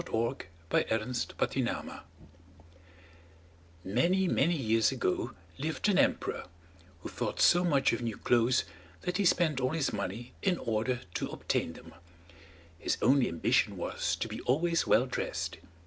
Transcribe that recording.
THE EMPEROR'S NEW SUIT Many, many years ago lived an emperor, who thought so much of new clothes that he spent all his money in order to obtain them; his only ambition was to be always well dressed.